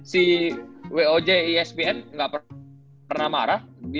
si w o j isbn gak pernah marah